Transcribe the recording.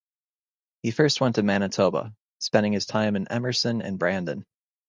He first went to Manitoba, spending time in Emerson and Brandon.